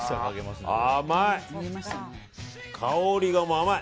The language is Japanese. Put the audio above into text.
甘い！